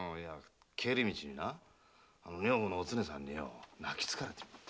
帰り道にな女房のお常さんに泣きつかれちまってよ。